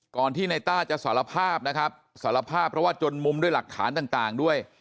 ก่อนที่ในต้าจะสารภาพนะครับสารภาพเพราะว่าจนมุมด้วยหลักฐานต่างด้วย